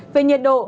về nhiệt độ